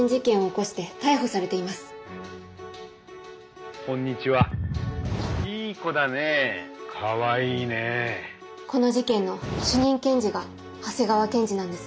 この事件の主任検事が長谷川検事なんです。